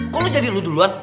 kok lo jadi lo duluan